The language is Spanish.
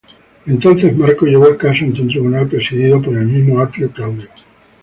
Entonces Marco llevó el caso ante un tribunal, presidido por el mismo Apio Claudio.